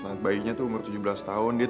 karena dia udah mundur beberapa tahun sama saya